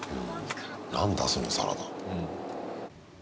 何だそのサラダ。